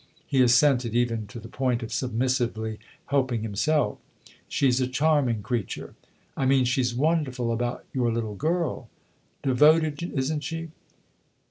He assented even to the point of submissively helping himself. "She's a charming creature." 150 THE OTHER HOUSE " I mean she's wonderful about your little girl." " Devoted, isn't she